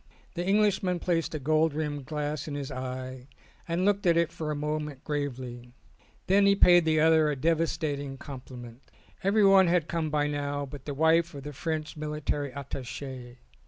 The Englishman placed a gold rimmed glass in his eye and looked at it for a mo ment gravely ; then he paid the other a devastating compliment. Everyone had come by now but the wife of the French Military Attache.